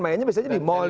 mainnya biasanya di mall